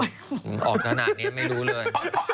ออกจากหน้านี้ไม่รู้เลย